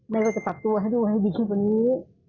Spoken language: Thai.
แม่ก็จะปรับตัวให้ลูกให้ดีขึ้นวันนี้